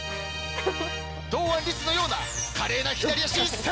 堂安律のような華麗な左足一閃。